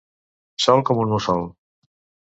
Sol com un mussol.